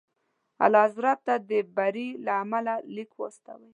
اعلیحضرت ته د بري له امله لیک واستوئ.